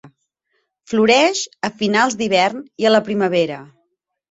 Floreix a finals d'hivern i a la primavera.